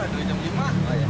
dua jam lima